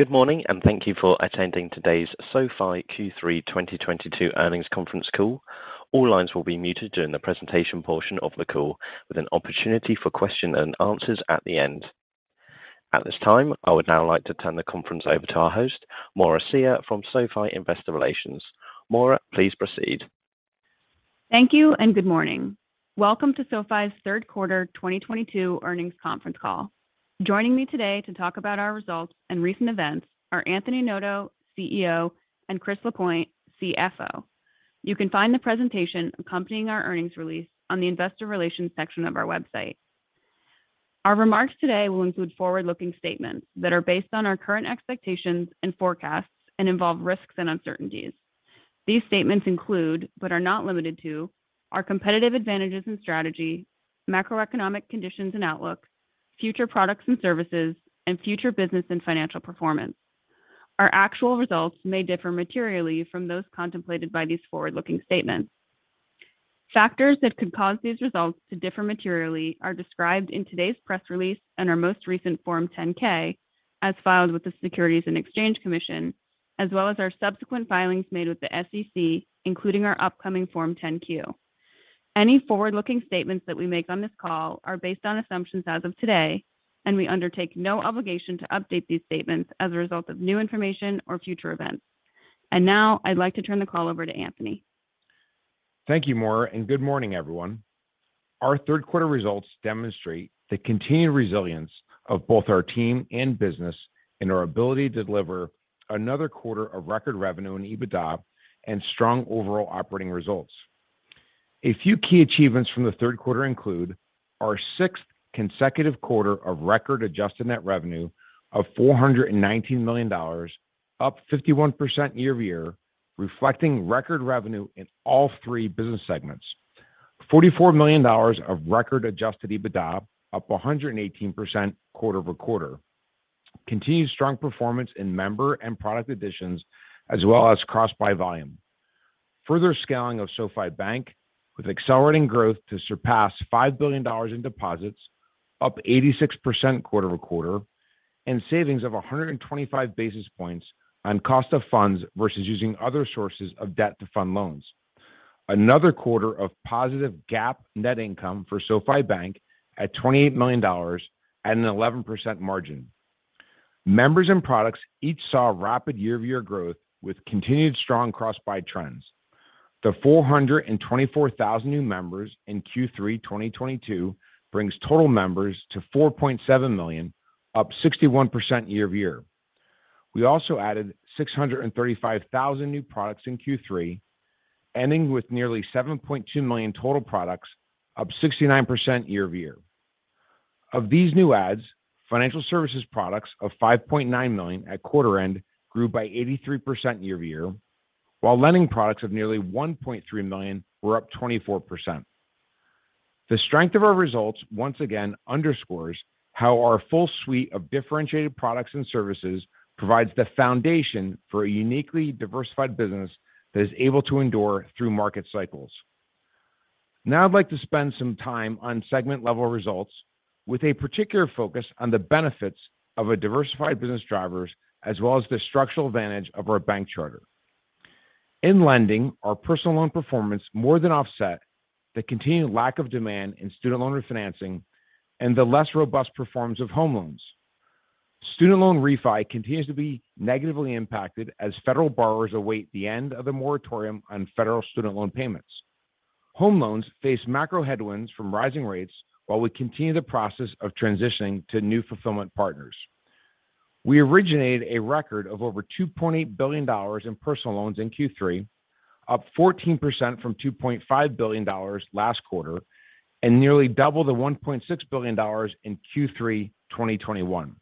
Good morning, and thank you for attending today's SoFi Q3 2022 Earnings Conference Call. All lines will be muted during the presentation portion of the call, with an opportunity for question and answers at the end. At this time, I would now like to turn the conference over to our host, Maura Cyr from SoFi Investor Relations. Maura, please proceed. Thank you, and good morning. Welcome to SoFi's third quarter 2022 earnings conference call. Joining me today to talk about our results and recent events are Anthony Noto, CEO, and Chris Lapointe, CFO. You can find the presentation accompanying our earnings release on the investor relations section of our website. Our remarks today will include forward-looking statements that are based on our current expectations and forecasts and involve risks and uncertainties. These statements include, but are not limited to, our competitive advantages and strategy, macroeconomic conditions and outlooks, future products and services, and future business and financial performance. Our actual results may differ materially from those contemplated by these forward-looking statements. Factors that could cause these results to differ materially are described in today's press release and our most recent Form 10-K as filed with the Securities and Exchange Commission, as well as our subsequent filings made with the SEC, including our upcoming Form 10-Q. Any forward-looking statements that we make on this call are based on assumptions as of today, and we undertake no obligation to update these statements as a result of new information or future events. Now, I'd like to turn the call over to Anthony. Thank you, Maura, and good morning, everyone. Our third quarter results demonstrate the continued resilience of both our team and business and our ability to deliver another quarter of record revenue and EBITDA and strong overall operating results. A few key achievements from the third quarter include our sixth consecutive quarter of record adjusted net revenue of $419 million, up 51% year-over-year, reflecting record revenue in all three business segments. $44 million of record adjusted EBITDA, up 118% quarter-over-quarter. Continued strong performance in member and product additions, as well as cross-buy volume. Further scaling of SoFi Bank with accelerating growth to surpass $5 billion in deposits, up 86% quarter-over-quarter, and savings of 125 basis points on cost of funds versus using other sources of debt to fund loans. Another quarter of positive GAAP net income for SoFi Bank at $28 million at an 11% margin. Members and products each saw rapid year-over-year growth with continued strong cross-buy trends. The 424,000 new members in Q3 2022 brings total members to 4.7 million, up 61% year-over-year. We also added 635,000 new products in Q3, ending with nearly 7.2 million total products, up 69% year-over-year. Of these new adds, financial services products of 5.9 million at quarter end grew by 83% year-over-year, while lending products of nearly 1.3 million were up 24%. The strength of our results once again underscores how our full suite of differentiated products and services provides the foundation for a uniquely diversified business that is able to endure through market cycles. Now I'd like to spend some time on segment-level results with a particular focus on the benefits of a diversified business drivers as well as the structural advantage of our bank charter. In lending, our personal loan performance more than offset the continued lack of demand in student loan refinancing and the less robust performance of home loans. Student loan refi continues to be negatively impacted as federal borrowers await the end of the moratorium on federal student loan payments. Home loans face macro headwinds from rising rates while we continue the process of transitioning to new fulfillment partners. We originated a record of over $2.8 billion in personal loans in Q3, up 14% from $2.5 billion last quarter, and nearly double the $1.6 billion in Q3 2021.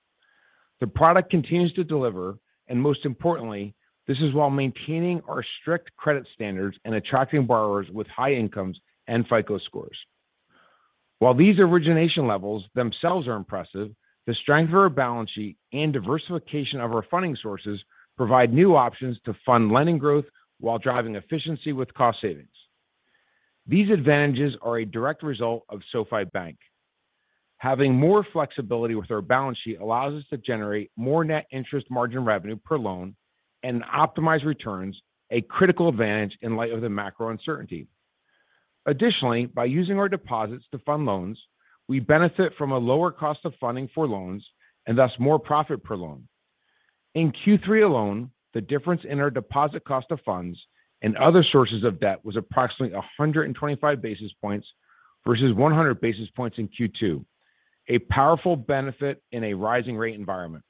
The product continues to deliver, and most importantly, this is while maintaining our strict credit standards and attracting borrowers with high incomes and FICO scores. While these origination levels themselves are impressive, the strength of our balance sheet and diversification of our funding sources provide new options to fund lending growth while driving efficiency with cost savings. These advantages are a direct result of SoFi Bank. Having more flexibility with our balance sheet allows us to generate more net interest margin revenue per loan and optimize returns, a critical advantage in light of the macro uncertainty. Additionally, by using our deposits to fund loans, we benefit from a lower cost of funding for loans and thus more profit per loan. In Q3 alone, the difference in our deposit cost of funds and other sources of debt was approximately 125 basis points versus 100 basis points in Q2, a powerful benefit in a rising rate environment.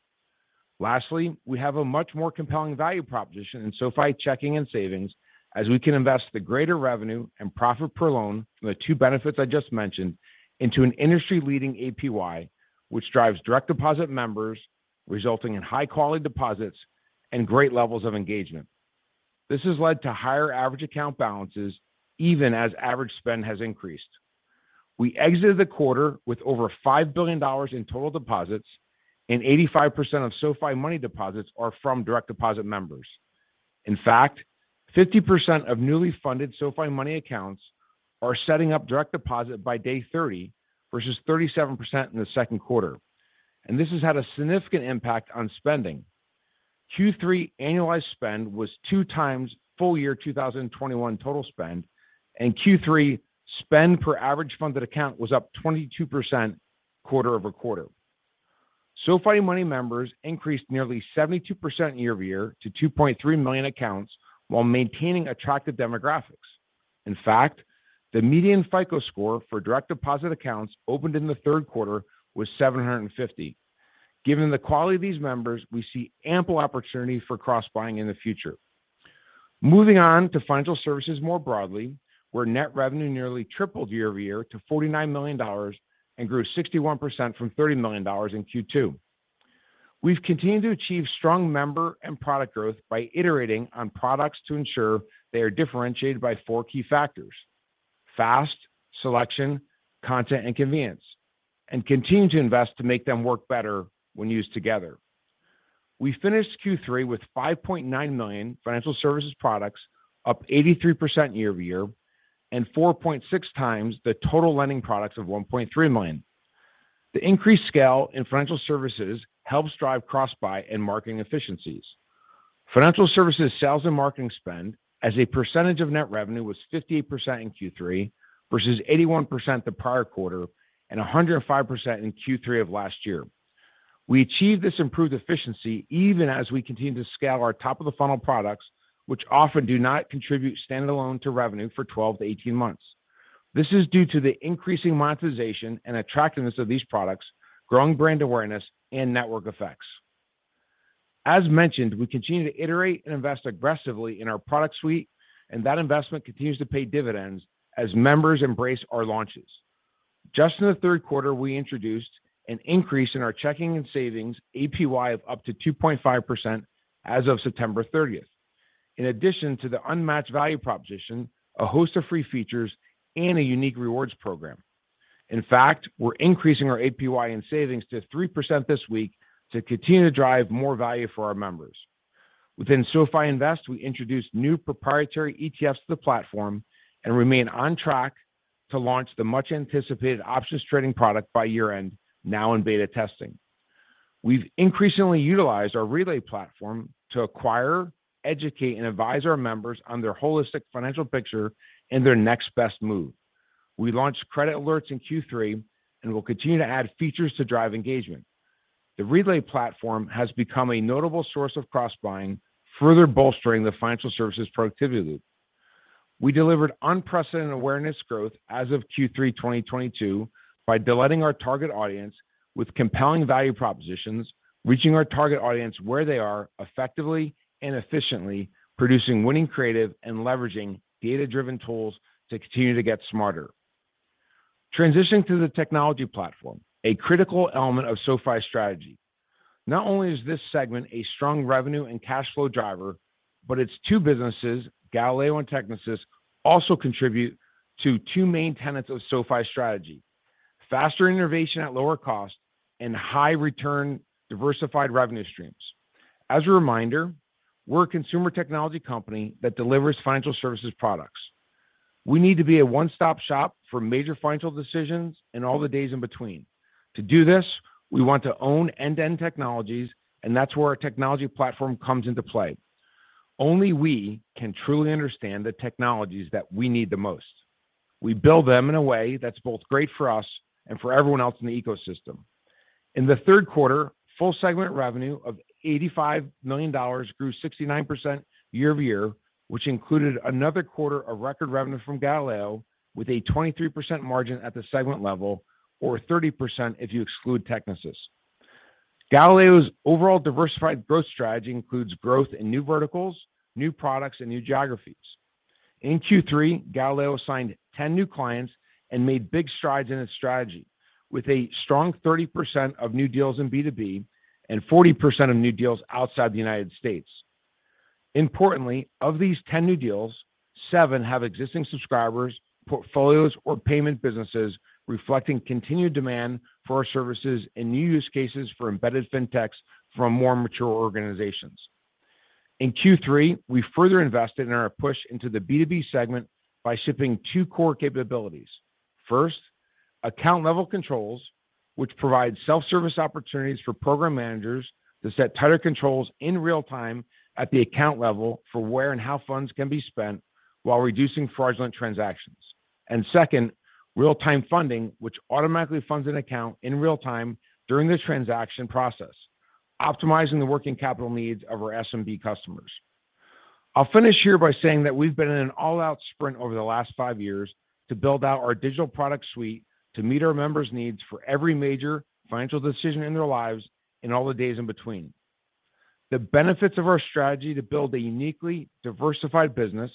Lastly, we have a much more compelling value proposition in SoFi Checking and Savings as we can invest the greater revenue and profit per loan from the two benefits I just mentioned into an industry-leading APY which drives direct deposit members, resulting in high-quality deposits and great levels of engagement. This has led to higher average account balances even as average spend has increased. We exited the quarter with over $5 billion in total deposits, and 85% of SoFi Money deposits are from direct deposit members. In fact, 50% of newly funded SoFi Money accounts are setting up direct deposit by day 30 versus 37% in the second quarter. This has had a significant impact on spending. Q3 annualized spend was 2x full year 2021 total spend, and Q3 spend per average funded account was up 22% quarter-over-quarter. SoFi Money members increased nearly 72% year-over-year to 2.3 million accounts while maintaining attractive demographics. In fact, the median FICO score for direct deposit accounts opened in the third quarter was 750. Given the quality of these members, we see ample opportunity for cross-buying in the future. Moving on to financial services more broadly, where net revenue nearly tripled year-over-year to $49 million and grew 61% from $30 million in Q2. We've continued to achieve strong member and product growth by iterating on products to ensure they are differentiated by four key factors, fast, selection, content, and convenience, and continue to invest to make them work better when used together. We finished Q3 with 5.9 million financial services products, up 83% year-over-year, and 4.6 times the total lending products of 1.3 million. The increased scale in financial services helps drive cross-buy and marketing efficiencies. Financial services sales and marketing spend as a percentage of net revenue was 58% in Q3 versus 81% the prior quarter and 105% in Q3 of last year. We achieved this improved efficiency even as we continued to scale our top-of-the-funnel products, which often do not contribute standalone to revenue for 12-18 months. This is due to the increasing monetization and attractiveness of these products, growing brand awareness, and network effects. As mentioned, we continue to iterate and invest aggressively in our product suite, and that investment continues to pay dividends as members embrace our launches. Just in the third quarter, we introduced an increase in our checking and savings APY of up to 2.5% as of September 30th, in addition to the unmatched value proposition, a host of free features, and a unique rewards program. In fact, we're increasing our APY in savings to 3% this week to continue to drive more value for our members. Within SoFi Invest, we introduced new proprietary ETFs to the platform and remain on track to launch the much-anticipated options trading product by year-end, now in beta testing. We've increasingly utilized our Relay platform to acquire, educate, and advise our members on their holistic financial picture and their next best move. We launched credit alerts in Q3 and will continue to add features to drive engagement. The Relay platform has become a notable source of cross-buying, further bolstering the financial services productivity loop. We delivered unprecedented awareness growth as of Q3 2022 by delighting our target audience with compelling value propositions, reaching our target audience where they are effectively and efficiently, producing winning creative, and leveraging data-driven tools to continue to get smarter. Transitioning to the technology platform, a critical element of SoFi's strategy. Not only is this segment a strong revenue and cash flow driver, but its two businesses, Galileo and Technisys, also contribute to two main tenets of SoFi's strategy, faster innovation at lower cost and high-return diversified revenue streams. As a reminder, we're a consumer technology company that delivers financial services products. We need to be a one-stop-shop for major financial decisions and all the days in between. To do this, we want to own end-to-end technologies, and that's where our technology platform comes into play. Only we can truly understand the technologies that we need the most. We build them in a way that's both great for us and for everyone else in the ecosystem. In the third quarter, full segment revenue of $85 million grew 69% year-over-year, which included another quarter of record revenue from Galileo with a 23% margin at the segment level, or 30% if you exclude Technisys. Galileo's overall diversified growth strategy includes growth in new verticals, new products, and new geographies. In Q3, Galileo signed 10 new clients and made big strides in its strategy, with a strong 30% of new deals in B2B and 40% of new deals outside the United States. Importantly, of these 10 new deals, 7 have existing subscribers, portfolios, or payment businesses reflecting continued demand for our services and new use cases for embedded fintechs from more mature organizations. In Q3, we further invested in our push into the B2B segment by shipping 2 core capabilities. First, account-level controls, which provide self-service opportunities for program managers to set tighter controls in real time at the account level for where and how funds can be spent while reducing fraudulent transactions. Second, real-time funding, which automatically funds an account in real time during the transaction process, optimizing the working capital needs of our SMB customers. I'll finish here by saying that we've been in an all-out sprint over the last five years to build out our digital product suite to meet our members' needs for every major financial decision in their lives and all the days in between. The benefits of our strategy to build a uniquely diversified business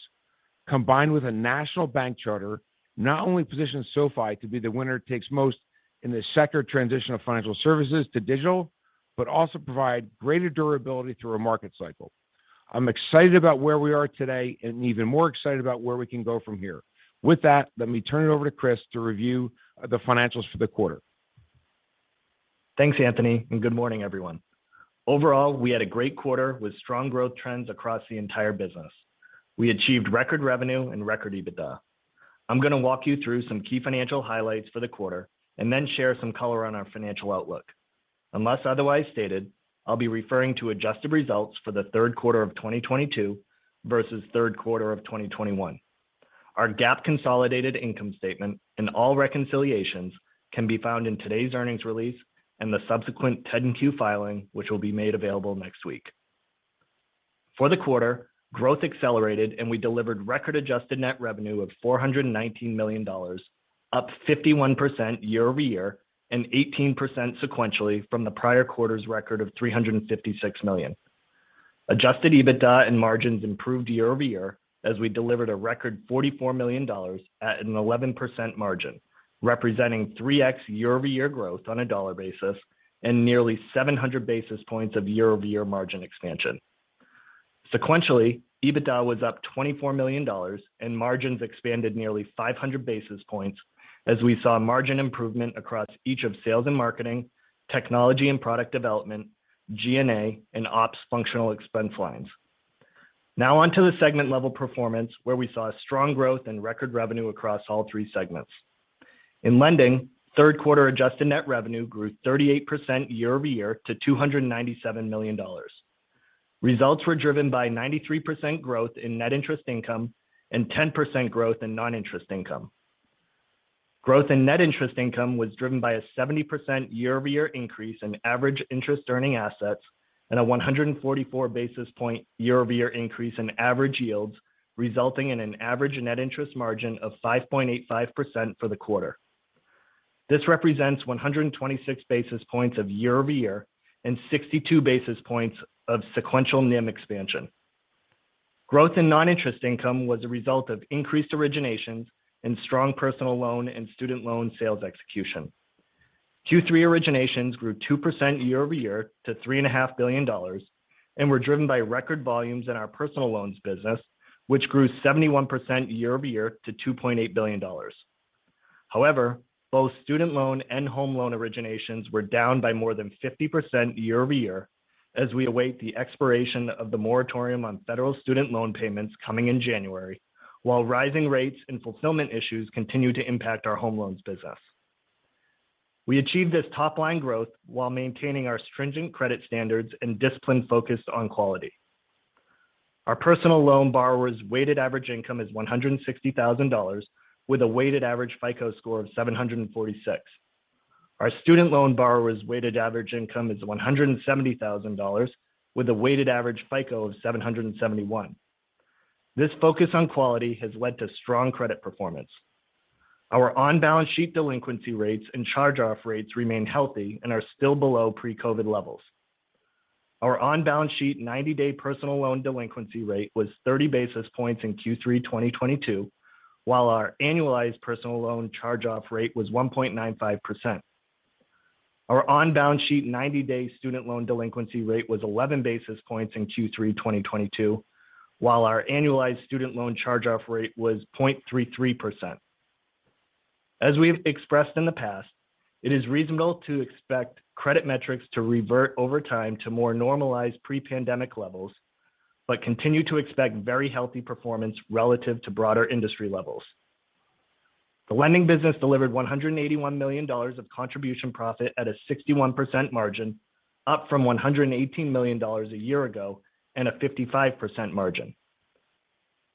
combined with a national bank charter not only positions SoFi to be the winner takes most in the sector transition of financial services to digital, but also provide greater durability through a market cycle. I'm excited about where we are today and even more excited about where we can go from here. With that, let me turn it over to Chris to review the financials for the quarter. Thanks, Anthony, and good morning, everyone. Overall, we had a great quarter with strong growth trends across the entire business. We achieved record revenue and record EBITDA. I'm gonna walk you through some key financial highlights for the quarter and then share some color on our financial outlook. Unless otherwise stated, I'll be referring to adjusted results for the third quarter of 2022 versus third quarter of 2021. Our GAAP consolidated income statement and all reconciliations can be found in today's earnings release and the subsequent 10-Q filing, which will be made available next week. For the quarter, growth accelerated, and we delivered record adjusted net revenue of $419 million, up 51% year-over-year and 18% sequentially from the prior quarter's record of $356 million. Adjusted EBITDA and margins improved year-over-year as we delivered a record $44 million at an 11% margin, representing 3x year-over-year growth on a dollar basis and nearly 700 basis points of year-over-year margin expansion. Sequentially, EBITDA was up $24 million and margins expanded nearly 500 basis points as we saw margin improvement across each of sales and marketing, technology and product development, G&A and ops functional expense lines. Now on to the segment level performance, where we saw strong growth and record revenue across all three segments. In lending, third quarter adjusted net revenue grew 38% year-over-year to $297 million. Results were driven by 93% growth in net interest income and 10% growth in non-interest income. Growth in net interest income was driven by a 70% year-over-year increase in average interest earning assets and a 144 basis point year-over-year increase in average yields, resulting in an average net interest margin of 5.85% for the quarter. This represents 126 basis points of year-over-year and 62 basis points of sequential NIM expansion. Growth in non-interest income was a result of increased originations and strong personal loan and student loan sales execution. Q3 originations grew 2% year-over-year to $3.5 billion and were driven by record volumes in our personal loans business, which grew 71% year-over-year to $2.8 billion. However, both student loan and home loan originations were down by more than 50% year-over-year as we await the expiration of the moratorium on federal student loan payments coming in January, while rising rates and fulfillment issues continue to impact our home loans business. We achieved this top-line growth while maintaining our stringent credit standards and discipline focused on quality. Our personal loan borrowers' weighted average income is $160,000 with a weighted average FICO score of 746. Our student loan borrowers' weighted average income is $170,000 with a weighted average FICO of 771. This focus on quality has led to strong credit performance. Our on-balance sheet delinquency rates and charge-off rates remain healthy and are still below pre-COVID levels. Our on-balance sheet 90-day personal loan delinquency rate was 30 basis points in Q3 2022, while our annualized personal loan charge-off rate was 1.95%. Our on-balance sheet 90-day student loan delinquency rate was 11 basis points in Q3 2022, while our annualized student loan charge-off rate was 0.33%. As we have expressed in the past, it is reasonable to expect credit metrics to revert over time to more normalized pre-pandemic levels, but continue to expect very healthy performance relative to broader industry levels. The lending business delivered $181 million of contribution profit at a 61% margin, up from $118 million a year ago and a 55% margin.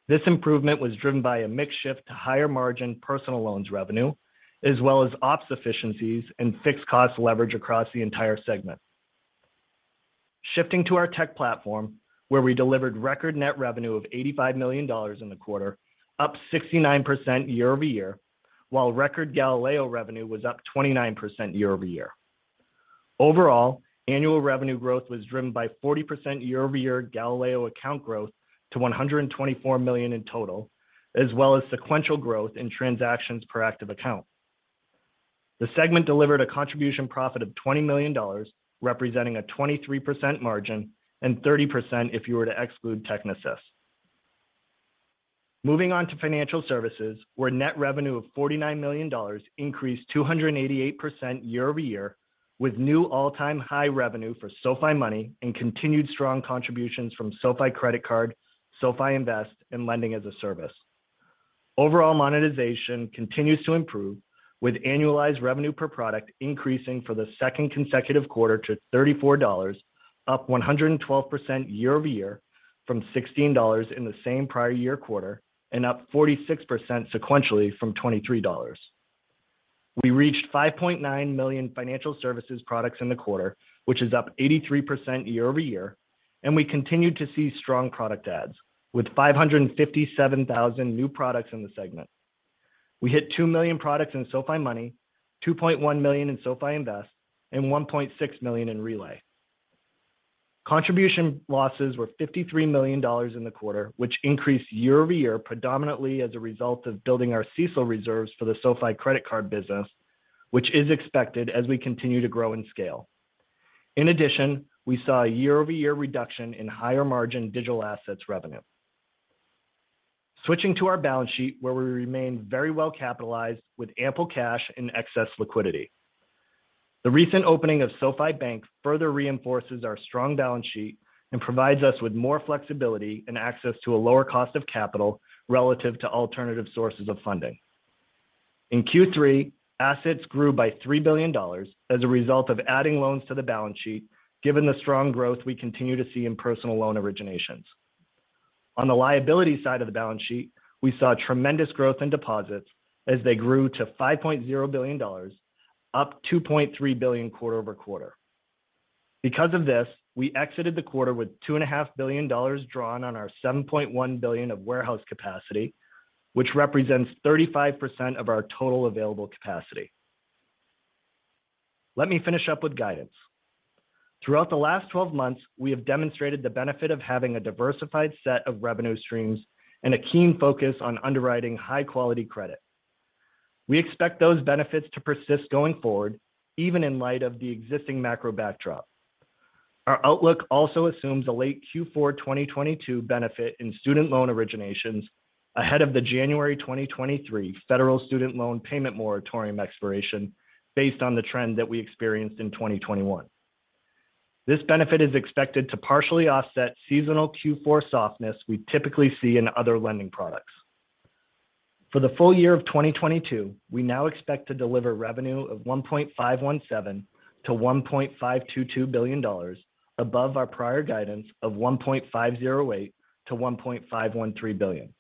This improvement was driven by a mix shift to higher margin personal loans revenue, as well as ops efficiencies and fixed cost leverage across the entire segment. Shifting to our tech platform, where we delivered record net revenue of $85 million in the quarter, up 69% year-over-year, while record Galileo revenue was up 29% year-over-year. Overall, annual revenue growth was driven by 40% year-over-year Galileo account growth to 124 million in total, as well as sequential growth in transactions per active account. The segment delivered a contribution profit of $20 million, representing a 23% margin and 30% if you were to exclude Technisys. Moving on to financial services, where net revenue of $49 million increased 288% year-over-year with new all-time high revenue for SoFi Money and continued strong contributions from SoFi Credit Card, SoFi Invest, and Lending as a Service. Overall monetization continues to improve with annualized revenue per product increasing for the second consecutive quarter to $34, up 112% year-over-year from $16 in the same prior year quarter and up 46% sequentially from $23. We reached 5.9 million financial services products in the quarter, which is up 83% year-over-year, and we continued to see strong product adds with 557,000 new products in the segment. We hit 2 million products in SoFi Money, 2.1 million in SoFi Invest, and 1.6 million in SoFi Relay. Contribution losses were $53 million in the quarter, which increased year-over-year predominantly as a result of building our CECL reserves for the SoFi Credit Card business, which is expected as we continue to grow and scale. In addition, we saw a year-over-year reduction in higher margin digital assets revenue. Switching to our balance sheet where we remain very well capitalized with ample cash and excess liquidity. The recent opening of SoFi Bank further reinforces our strong balance sheet and provides us with more flexibility and access to a lower cost of capital relative to alternative sources of funding. In Q3, assets grew by $3 billion as a result of adding loans to the balance sheet, given the strong growth we continue to see in personal loan originations. On the liability side of the balance sheet, we saw tremendous growth in deposits as they grew to $5.0 billion, up $2.3 billion quarter-over-quarter. Because of this, we exited the quarter with $2.5 billion drawn on our $7.1 billion of warehouse capacity, which represents 35% of our total available capacity. Let me finish up with guidance. Throughout the last twelve months, we have demonstrated the benefit of having a diversified set of revenue streams and a keen focus on underwriting high-quality credit. We expect those benefits to persist going forward, even in light of the existing macro backdrop. Our outlook also assumes a late Q4 2022 benefit in student loan originations ahead of the January 2023 federal student loan payment moratorium expiration based on the trend that we experienced in 2021. This benefit is expected to partially offset seasonal Q4 softness we typically see in other lending products. For the full year of 2022, we now expect to deliver revenue of $1.517-$1.522 billion above our prior guidance of $1.508-$1.513 billion.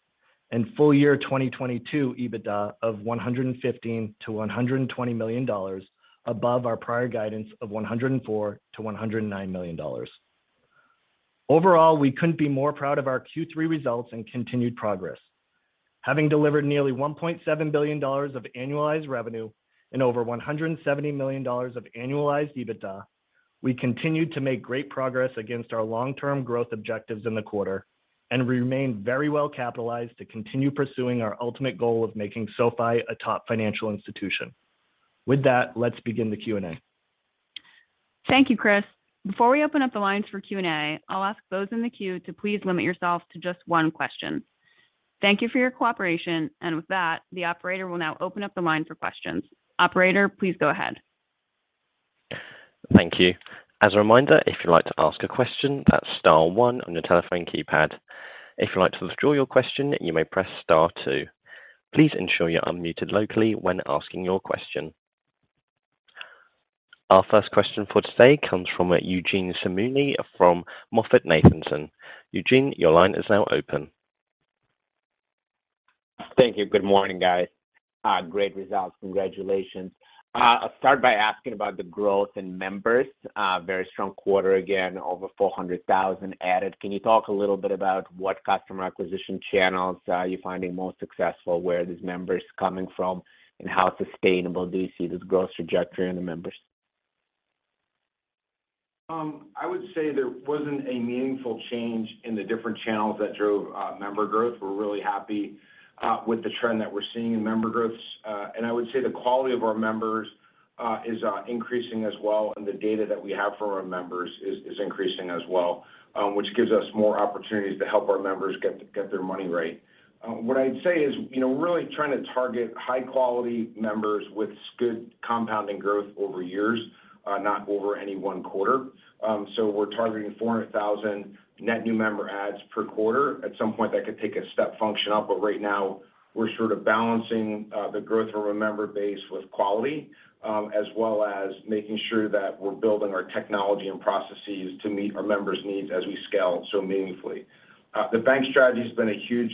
Full year 2022 EBITDA of $115-$120 million above our prior guidance of $104-$109 million. Overall, we couldn't be more proud of our Q3 results and continued progress. Having delivered nearly $1.7 billion of annualized revenue and over $170 million of annualized EBITDA, we continued to make great progress against our long-term growth objectives in the quarter and remain very well capitalized to continue pursuing our ultimate goal of making SoFi a top financial institution. With that, let's begin the Q&A. Thank you, Chris. Before we open up the lines for Q&A, I'll ask those in the queue to please limit yourselves to just one question. Thank you for your cooperation, and with that, the operator will now open up the line for questions. Operator, please go ahead. Thank you. As a reminder, if you'd like to ask a question, that's star one on your telephone keypad. If you'd like to withdraw your question, you may press star two. Please ensure you're unmuted locally when asking your question. Our first question for today comes from Eugene Simuni from MoffettNathanson. Eugene, your line is now open. Thank you. Good morning, guys. Great results. Congratulations. I'll start by asking about the growth in members. Very strong quarter again, over 400,000 added. Can you talk a little bit about what customer acquisition channels are you finding most successful, where these members are coming from, and how sustainable do you see this growth trajectory in the members? I would say there wasn't a meaningful change in the different channels that drove member growth. We're really happy with the trend that we're seeing in member growth. I would say the quality of our members is increasing as well, and the data that we have for our members is increasing as well, which gives us more opportunities to help our members get their money right. What I'd say is, you know, we're really trying to target high-quality members with good compounding growth over years, not over any one quarter. We're targeting 400,000 net new member adds per quarter. At some point, that could take a step function up, but right now we're sort of balancing the growth from a member base with quality, as well as making sure that we're building our technology and processes to meet our members' needs as we scale so meaningfully. The bank strategy has been a huge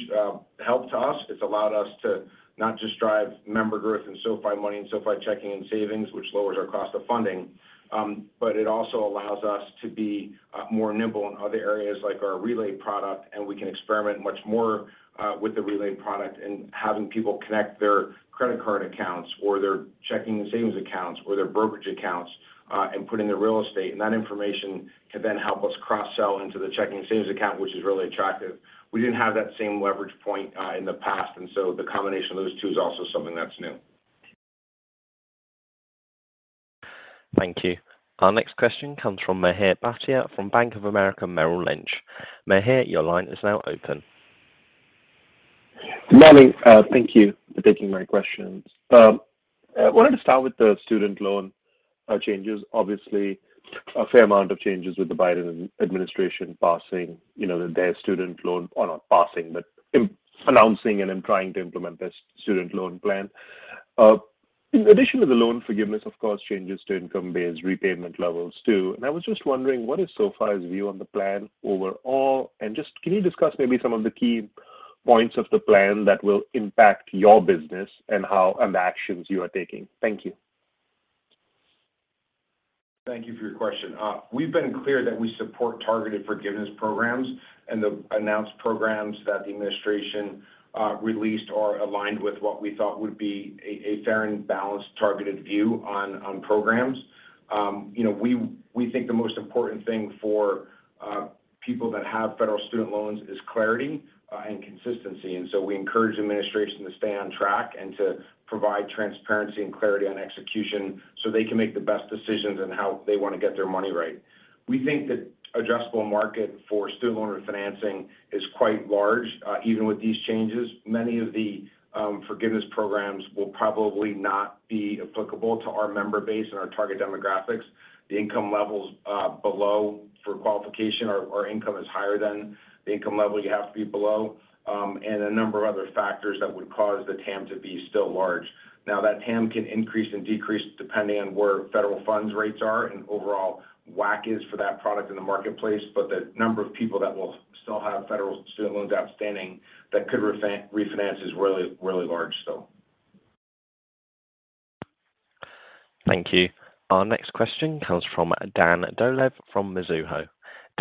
help to us. It's allowed us to not just drive member growth in SoFi Money and SoFi Checking and Savings, which lowers our cost of funding, but it also allows us to be more nimble in other areas like our Relay product, and we can experiment much more with the Relay product and having people connect their credit card accounts or their checking and savings accounts or their brokerage accounts, and put in the real estate. That information can then help us cross-sell into the checking and savings account, which is really attractive. We didn't have that same leverage point, in the past, and so the combination of those two is also something that's new. Thank you. Our next question comes from Mihir Bhatia from Bank of America Merrill Lynch. Mihir, your line is now open. Good morning. Thank you for taking my questions. I wanted to start with the student loan changes. Obviously, a fair amount of changes with the Biden administration passing, you know, their student loan or not passing, but announcing and then trying to implement this student loan plan. In addition to the loan forgiveness, of course, changes to income-based repayment levels too. I was just wondering, what is SoFi's view on the plan overall? Just can you discuss maybe some of the key points of the plan that will impact your business and how and the actions you are taking? Thank you. Thank you for your question. We've been clear that we support targeted forgiveness programs, and the announced programs that the administration released are aligned with what we thought would be a fair and balanced targeted view on programs. You know, we think the most important thing for people that have federal student loans is clarity and consistency. We encourage administration to stay on track and to provide transparency and clarity on execution so they can make the best decisions on how they want to get their money right. We think the adjustable market for student loan refinancing is quite large, even with these changes. Many of the forgiveness programs will probably not be applicable to our member base and our target demographics. The income levels below for qualification or income is higher than the income level you have to be below, and a number of other factors that would cause the TAM to be still large. Now that TAM can increase and decrease depending on where federal funds rates are and overall WAC is for that product in the marketplace, but the number of people that will still have federal student loans outstanding that could refinance is really, really large still. Thank you. Our next question comes from Dan Dolev from Mizuho.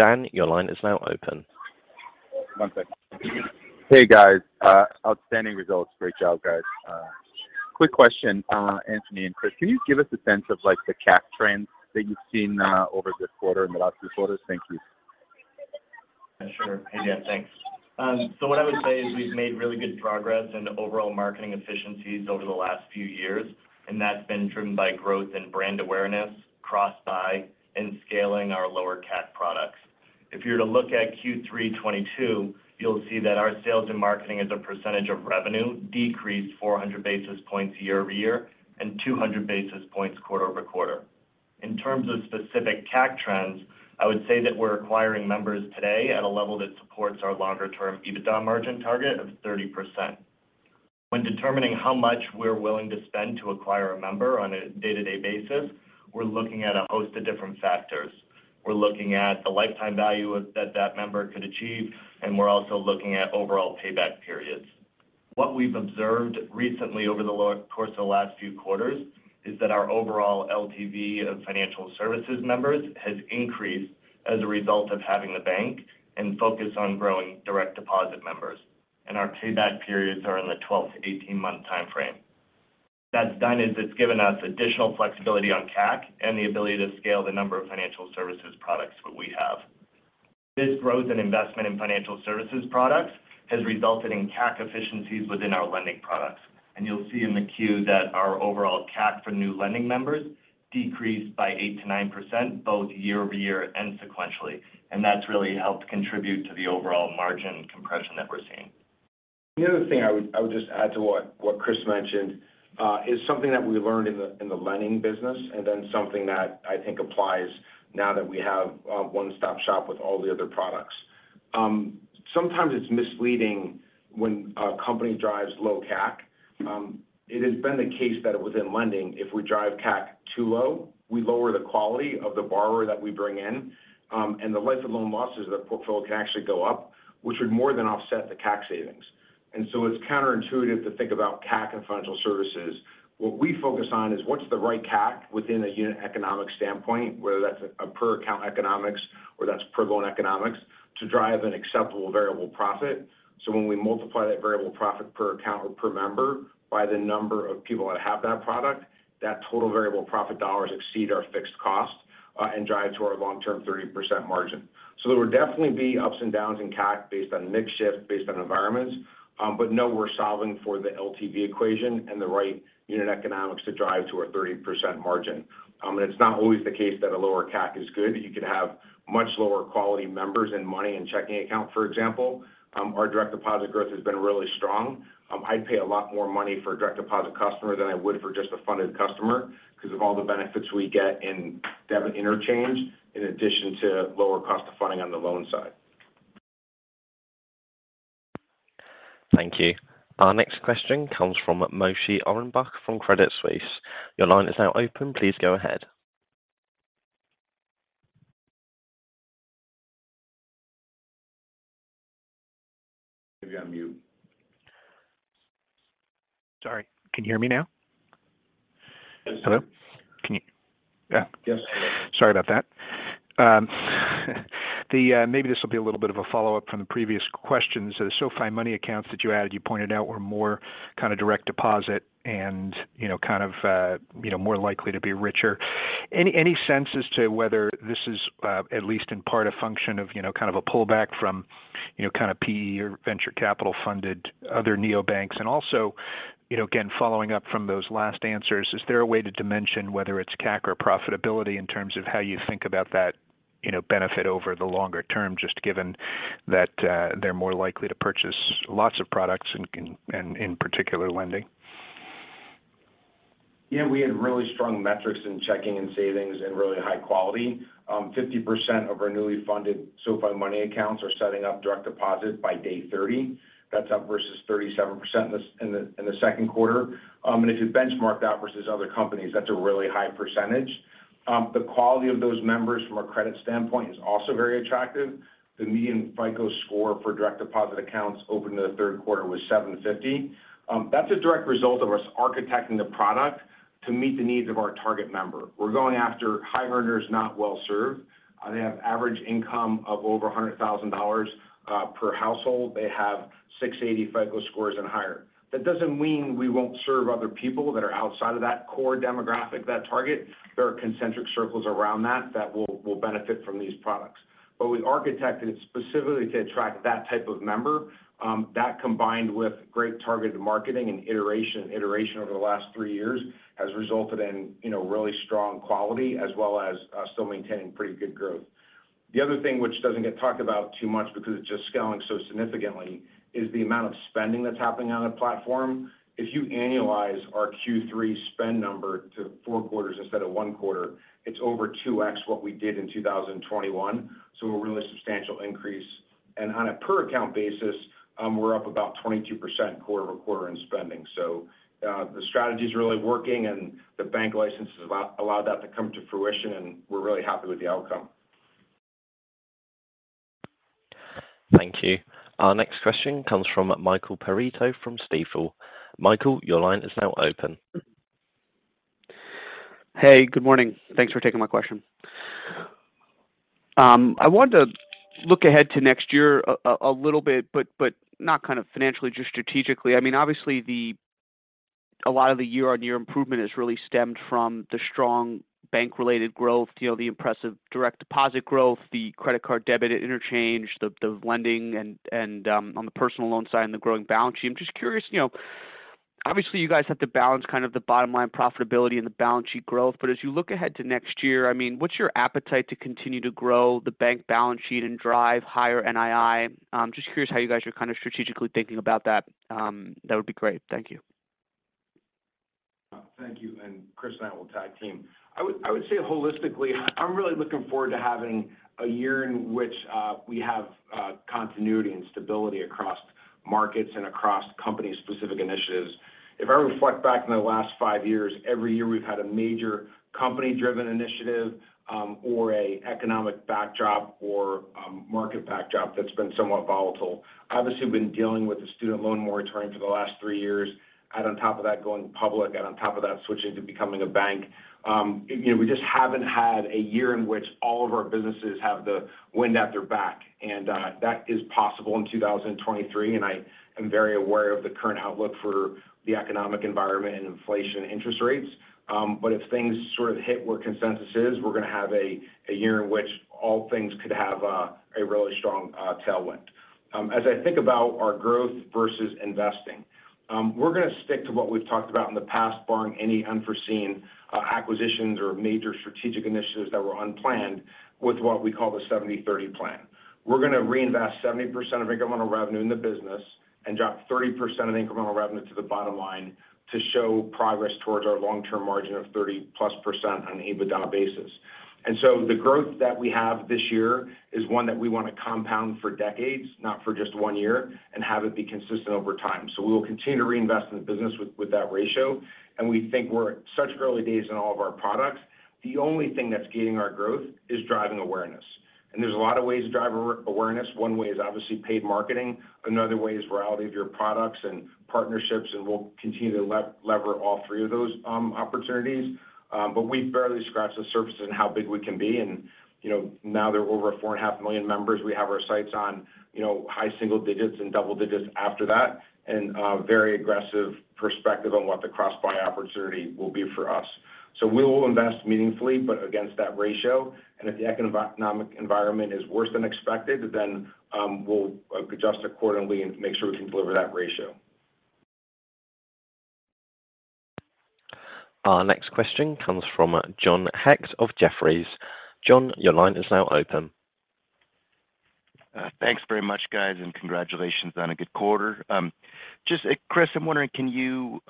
Dan, your line is now open. One second. Hey, guys. Outstanding results. Great job, guys. Quick question. Anthony and Chris, can you give us a sense of like the CAC trends that you've seen, over this quarter and the last few quarters? Thank you. Sure. Hey, Dan. Thanks. What I would say is we've made really good progress in overall marketing efficiencies over the last few years, and that's been driven by growth in brand awareness, cross-buy, and scaling our lower CAC products. If you were to look at Q3 2022, you'll see that our sales and marketing as a percentage of revenue decreased 400 basis points year-over-year and 200 basis points quarter-over-quarter. In terms of specific CAC trends, I would say that we're acquiring members today at a level that supports our longer-term EBITDA margin target of 30%. When determining how much we're willing to spend to acquire a member on a day-to-day basis, we're looking at a host of different factors. We're looking at the lifetime value that that member could achieve, and we're also looking at overall payback periods. What we've observed recently over the course of the last few quarters is that our overall LTV of financial services members has increased as a result of having the bank and focus on growing direct deposit members. Our payback periods are in the 12- to 18-month time frame. What that's done is it's given us additional flexibility on CAC and the ability to scale the number of financial services products that we have. This growth and investment in financial services products has resulted in CAC efficiencies within our lending products. You'll see in the 10-Q that our overall CAC for new lending members decreased by 8%-9% both year-over-year and sequentially. That's really helped contribute to the overall margin compression that we're seeing. The other thing I would just add to what Chris mentioned is something that we learned in the lending business and then something that I think applies now that we have a one-stop shop with all the other products. Sometimes it's misleading when a company drives low CAC. It has been the case that within lending, if we drive CAC too low, we lower the quality of the borrower that we bring in, and the life of loan losses that portfolio can actually go up, which would more than offset the CAC savings. It's counterintuitive to think about CAC and financial services. What we focus on is what's the right CAC within a unit economics standpoint, whether that's per account economics or that's per loan economics to drive an acceptable variable profit. When we multiply that variable profit per account or per member by the number of people that have that product, that total variable profit dollars exceed our fixed cost, and drive to our long-term 30% margin. There will definitely be ups and downs in CAC based on mix shift, based on environments. No, we're solving for the LTV equation and the right unit economics to drive to a 30% margin. It's not always the case that a lower CAC is good. You could have much lower quality members and money in checking account, for example. Our direct deposit growth has been really strong. I'd pay a lot more money for a direct deposit customer than I would for just a funded customer because of all the benefits we get in debit interchange in addition to lower cost of funding on the loan side. Thank you. Our next question comes from Moshe Orenbuch from TD Cowen. Your line is now open. Please go ahead. Maybe on mute. Sorry. Can you hear me now? Yes. Hello? Yeah. Yes. Sorry about that. Maybe this will be a little bit of a follow-up from the previous questions. The SoFi Money accounts that you added, you pointed out were more kind of direct deposit and, you know, kind of, you know, more likely to be richer. Any sense as to whether this is, at least in part a function of, you know, kind of a pullback from, you know, kind of PE or venture capital funded other neobanks? And also, you know, again, following up from those last answers, is there a way to dimension whether it's CAC or profitability in terms of how you think about that, you know, benefit over the longer term, just given that, they're more likely to purchase lots of products in particular lending? Yeah, we had really strong metrics in checking and savings and really high quality. 50% of our newly funded SoFi Money accounts are setting up direct deposit by day 30. That's up versus 37% in the second quarter. If you benchmark that versus other companies, that's a really high percentage. The quality of those members from a credit standpoint is also very attractive. The median FICO score for direct deposit accounts opened in the third quarter was 750. That's a direct result of us architecting the product to meet the needs of our target member. We're going after high earners not well-served. They have average income of over $100,000 per household. They have 680 FICO scores and higher. That doesn't mean we won't serve other people that are outside of that core demographic, that target. There are concentric circles around that that will benefit from these products. We architected it specifically to attract that type of member. That combined with great targeted marketing and iteration over the last three years has resulted in you know really strong quality as well as still maintaining pretty good growth. The other thing which doesn't get talked about too much because it's just scaling so significantly is the amount of spending that's happening on the platform. If you annualize our Q3 spend number to four quarters instead of one quarter, it's over 2x what we did in 2021. A really substantial increase. On a per account basis, we're up about 22% quarter-over-quarter in spending. The strategy is really working and the bank license has allowed that to come to fruition, and we're really happy with the outcome. Thank you. Our next question comes from Michael Perito from Stifel. Michael, your line is now open. Hey, good morning. Thanks for taking my question. I wanted to look ahead to next year a little bit, but not kind of financially, just strategically. I mean, obviously a lot of the year-on-year improvement has really stemmed from the strong bank-related growth. You know, the impressive direct deposit growth, the credit card debit interchange, the lending and on the personal loan side and the growing balance sheet. I'm just curious, you know, obviously you guys have to balance kind of the bottom line profitability and the balance sheet growth. As you look ahead to next year, I mean, what's your appetite to continue to grow the bank balance sheet and drive higher NII? Just curious how you guys are kind of strategically thinking about that. That would be great. Thank you. Thank you. Chris and I will tag team. I would say holistically, I'm really looking forward to having a year in which we have continuity and stability across markets and across company-specific initiatives. If I reflect back on the last five years, every year we've had a major company-driven initiative, or an economic backdrop or a market backdrop that's been somewhat volatile. Obviously, we've been dealing with the student loan moratorium for the last three years. Add on top of that, going public. Add on top of that, switching to becoming a bank. You know, we just haven't had a year in which all of our businesses have the wind at their back, and that is possible in 2023. I am very aware of the current outlook for the economic environment and inflation interest rates. If things sort of hit where consensus is, we're gonna have a year in which all things could have a really strong tailwind. As I think about our growth versus investing, we're gonna stick to what we've talked about in the past, barring any unforeseen acquisitions or major strategic initiatives that were unplanned with what we call the 70/30 plan. We're gonna reinvest 70% of incremental revenue in the business and drop 30% of incremental revenue to the bottom line to show progress towards our long-term margin of 30+% on an EBITDA basis. The growth that we have this year is one that we want to compound for decades, not for just one year, and have it be consistent over time. We will continue to reinvest in the business with that ratio. We think we're at such early days in all of our products. The only thing that's gating our growth is driving awareness. There's a lot of ways to drive awareness. One way is obviously paid marketing. Another way is virality of our products and partnerships, and we'll continue to leverage all three of those opportunities. But we've barely scratched the surface on how big we can be. You know, now that we're over 4.5 million members, we have our sights on, you know, high single digits and double digits after that. Very aggressive perspective on what the cross-buy opportunity will be for us. We will invest meaningfully, but against that ratio. If the economic environment is worse than expected, then we'll adjust accordingly and make sure we can deliver that ratio. Our next question comes from John Hecht of Jefferies. John, your line is now open. Thanks very much, guys, and congratulations on a good quarter. Just, Chris, I'm wondering, can you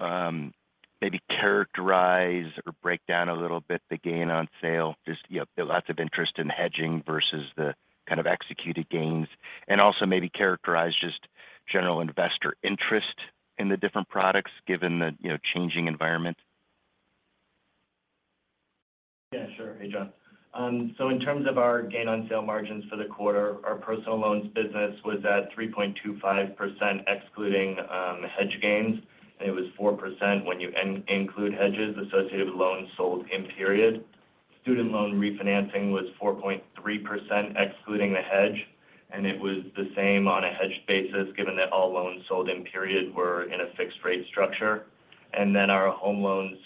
maybe characterize or break down a little bit the gain on sale? Just, you know, lots of interest in hedging versus the kind of executed gains. Also maybe characterize just general investor interest in the different products given the, you know, changing environment. Yeah, sure. Hey, John. In terms of our gain on sale margins for the quarter, our personal loans business was at 3.25%, excluding hedge gains. It was 4% when you include hedges associated with loans sold in period. Student loan refinancing was 4.3% excluding the hedge, and it was the same on a hedged basis, given that all loans sold in period were in a fixed rate structure. Our home loans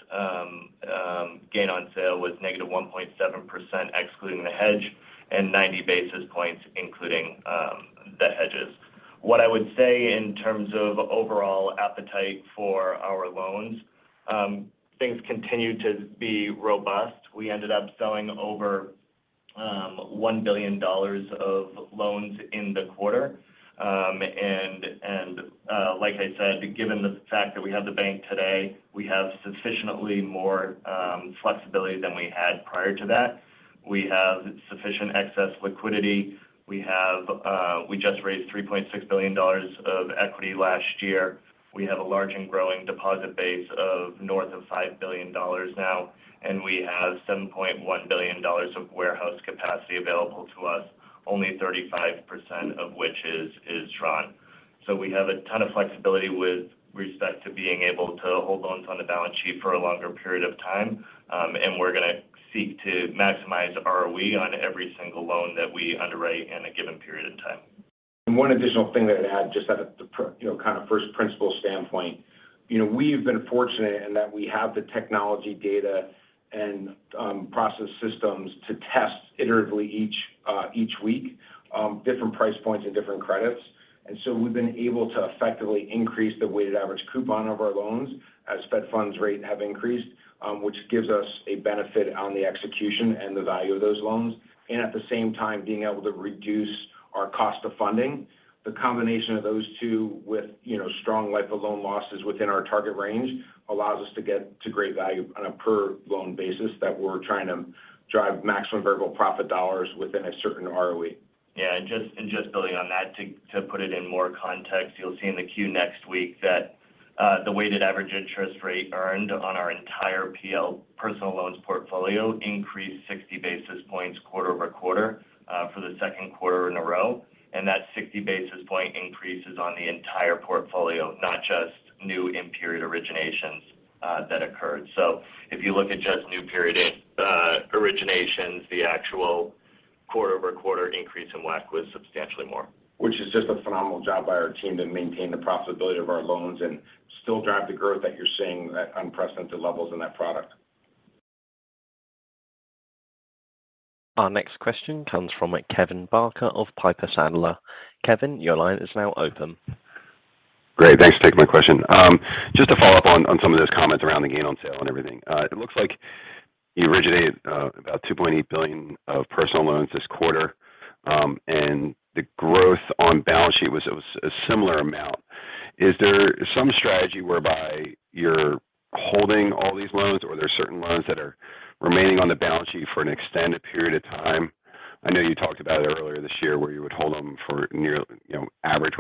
gain on sale was -1.7% excluding the hedge and 90 basis points including the hedges. What I would say in terms of overall appetite for our loans, things continue to be robust. We ended up selling over $1 billion of loans in the quarter. Like I said, given the fact that we have the bank today, we have sufficiently more flexibility than we had prior to that. We have sufficient excess liquidity. We have we just raised $3.6 billion of equity last year. We have a large and growing deposit base of north of $5 billion now, and we have $7.1 billion of warehouse capacity available to us, only 35% of which is drawn. We have a ton of flexibility with respect to being able to hold loans on the balance sheet for a longer period of time. We're gonna seek to maximize ROE on every single loan that we underwrite in a given period in time. One additional thing that I'd add just from a first principles standpoint. You know, we've been fortunate in that we have the technology data and process systems to test iteratively each week different price points and different credits. We've been able to effectively increase the weighted average coupon of our loans as Fed funds rate have increased, which gives us a benefit on the execution and the value of those loans. At the same time, being able to reduce our cost of funding. The combination of those two with, you know, strong life of loan losses within our target range allows us to get to great value on a per loan basis that we're trying to drive maximum variable profit dollars within a certain ROE. Yeah. Just building on that to put it in more context. You'll see in the 10-Q next week that the weighted average interest rate earned on our entire PL personal loans portfolio increased 60 basis points quarter-over-quarter for the second quarter in a row. That 60 basis point increase is on the entire portfolio, not just new in-period originations that occurred. If you look at just new period originations, the actual quarter-over-quarter increase in WAC was substantially more. Which is just a phenomenal job by our team to maintain the profitability of our loans and still drive the growth that you're seeing at unprecedented levels in that product. Our next question comes from Kevin Barker of Piper Sandler. Kevin, your line is now open. Great. Thanks for taking my question. Just to follow up on some of those comments around the gain on sale and everything. It looks like you originated about $2.8 billion of personal loans this quarter. The growth on balance sheet was a similar amount. Is there some strategy whereby you're holding all these loans or there's certain loans that are remaining on the balance sheet for an extended period of time? I know you talked about it earlier this year, where you would hold them for near, you know, average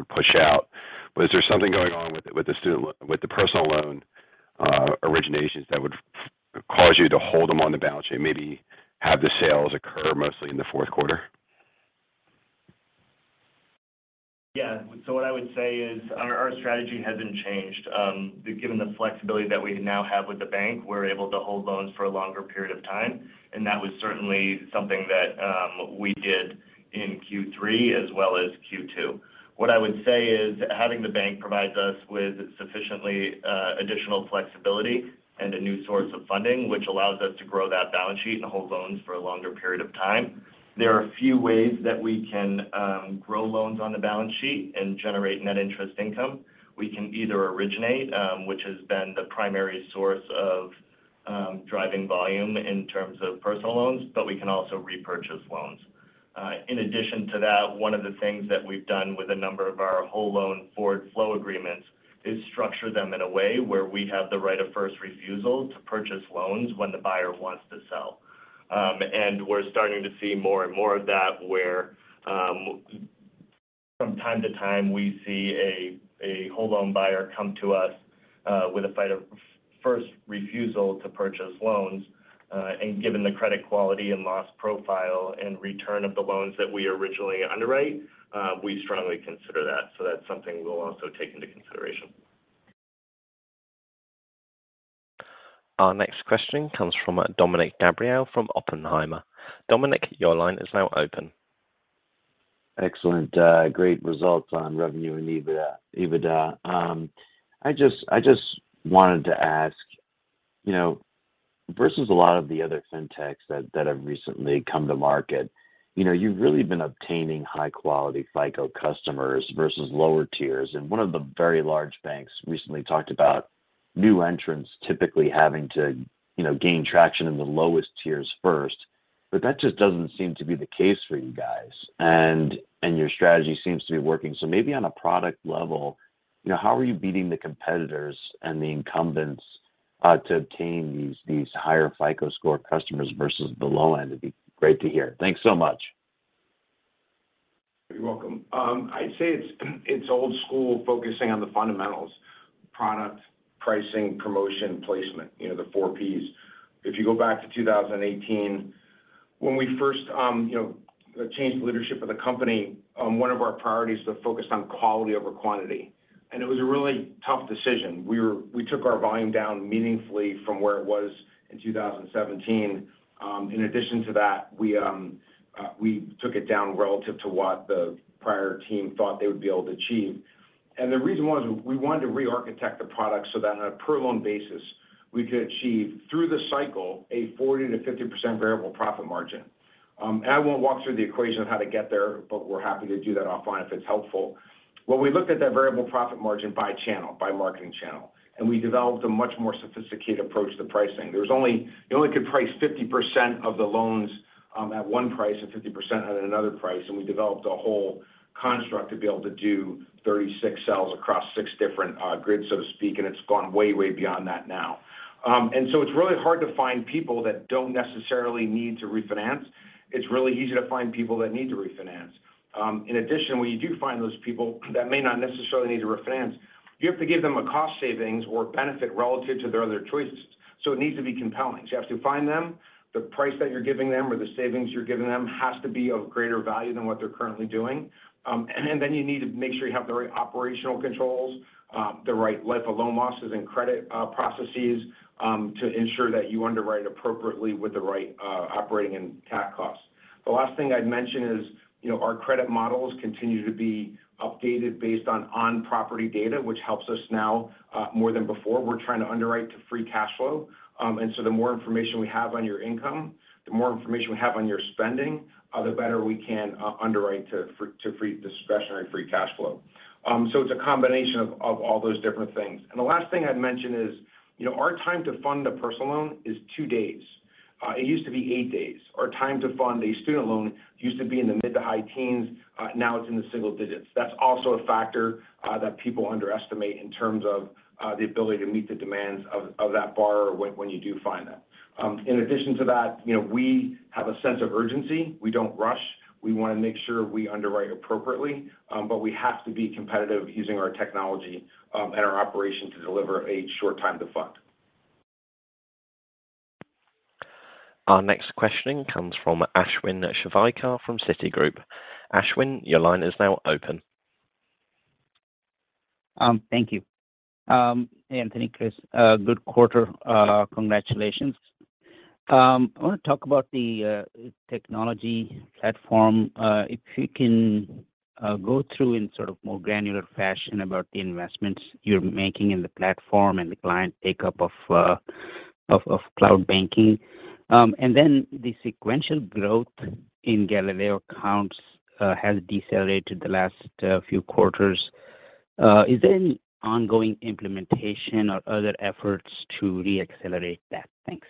would push out. But is there something going on with the personal loan originations that would cause you to hold them on the balance sheet and maybe have the sales occur mostly in the fourth quarter? Yeah. What I would say is our strategy hasn't changed. Given the flexibility that we now have with the bank, we're able to hold loans for a longer period of time, and that was certainly something that we did in Q3 as well as Q2. What I would say is, having the bank provides us with sufficient additional flexibility and a new source of funding, which allows us to grow that balance sheet and hold loans for a longer period of time. There are a few ways that we can grow loans on the balance sheet and generate net interest income. We can either originate, which has been the primary source of driving volume in terms of personal loans, but we can also repurchase loans. In addition to that, one of the things that we've done with a number of our whole loan forward flow agreements is structure them in a way where we have the right of first refusal to purchase loans when the buyer wants to sell. We're starting to see more and more of that where, from time to time we see a whole loan buyer come to us with a right of first refusal to purchase loans. Given the credit quality and loss profile and return of the loans that we originally underwrite, we strongly consider that. That's something we'll also take into consideration. Our next question comes from Dominick Gabriele from Oppenheimer. Dominick, your line is now open. Excellent. Great results on revenue and EBITDA. I just wanted to ask, you know, versus a lot of the other fintechs that have recently come to market, you know, you've really been obtaining high-quality FICO customers versus lower tiers. One of the very large banks recently talked about new entrants typically having to, you know, gain traction in the lowest tiers first. That just doesn't seem to be the case for you guys. Your strategy seems to be working. Maybe on a product level, you know, how are you beating the competitors and the incumbents to obtain these higher FICO score customers versus the low end? It'd be great to hear. Thanks so much. You're welcome. I'd say it's old school, focusing on the fundamentals, product, pricing, promotion, placement. You know, the four Ps. If you go back to 2018 when we first, you know, changed the leadership of the company, one of our priorities was focused on quality over quantity. It was a really tough decision. We took our volume down meaningfully from where it was in 2017. In addition to that, we took it down relative to what the prior team thought they would be able to achieve. The reason was we wanted to rearchitect the product so that on a per loan basis we could achieve through the cycle a 40%-50% variable profit margin. I won't walk through the equation of how to get there, but we're happy to do that offline if it's helpful. When we looked at that variable profit margin by channel, by marketing channel, and we developed a much more sophisticated approach to pricing. You only could price 50% of the loans at one price and 50% at another price. We developed a whole construct to be able to do 36 cells across 6 different grids, so to speak, and it's gone way beyond that now. It's really hard to find people that don't necessarily need to refinance. It's really easy to find people that need to refinance. In addition, when you do find those people that may not necessarily need to refinance, you have to give them a cost savings or benefit relative to their other choices. It needs to be compelling. You have to find them. The price that you're giving them or the savings you're giving them has to be of greater value than what they're currently doing. You need to make sure you have the right operational controls, the right life of loan losses and credit processes, to ensure that you underwrite appropriately with the right operating and CAC costs. The last thing I'd mention is, you know, our credit models continue to be updated based on proprietary data, which helps us now more than before. We're trying to underwrite to free cash flow. The more information we have on your income, the more information we have on your spending, the better we can underwrite to discretionary free cash flow. It's a combination of all those different things. The last thing I'd mention is, you know, our time to fund a personal loan is two days. It used to be eight days. Our time to fund a student loan used to be in the mid to high teens, now it's in the single digits. That's also a factor that people underestimate in terms of the ability to meet the demands of that borrower when you do find them. In addition to that, you know, we have a sense of urgency. We don't rush. We want to make sure we underwrite appropriately, but we have to be competitive using our technology, and our operation to deliver a short time to fund. Our next questioning comes from Ashwin Shirvaikar from Citigroup. Ashwin, your line is now open. Thank you. Anthony, Chris, good quarter. Congratulations. I want to talk about the technology platform. If you can go through in sort of more granular fashion about the investments you're making in the platform and the client take-up of cloud banking. The sequential growth in Galileo accounts has decelerated the last few quarters. Is there any ongoing implementation or other efforts to reaccelerate that? Thanks.